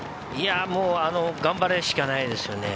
もう頑張るしかないですよね。